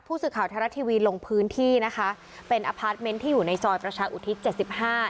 ผู้สื่อข่าวธรรมดาทีวีลงพื้นที่นะคะเป็นที่อยู่ในจอยประชาอุทิศเจ็ดสิบห้า